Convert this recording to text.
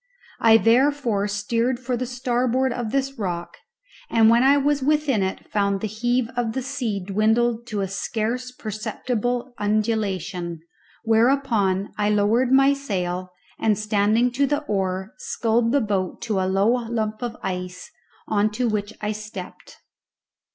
I thereupon steered for the starboard of this rock, and when I was within it found the heave of the sea dwindled to a scarce perceptible undulation, whereupon I lowered my sail, and, standing to the oar, sculled the boat to a low lump of ice, on to which I stepped.